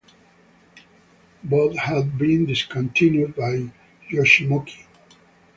Both had been discontinued by Yoshimochi.